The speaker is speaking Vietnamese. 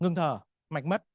ngừng thở mạch mất